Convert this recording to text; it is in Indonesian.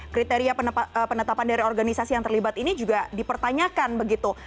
kriteria penetapan dari organisasi yang terlibat ini juga dipertanyakan begitu